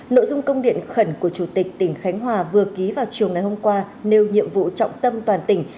nội dung công điện khẩn của chủ tịch tỉnh khánh hòa vừa ký vào chiều ngày hôm qua nêu nhiệm vụ trọng tâm toàn tỉnh